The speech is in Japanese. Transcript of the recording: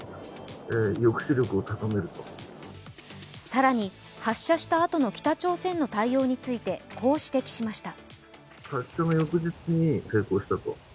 更に、発射したあとの北朝鮮の対応について、こう、指摘しました。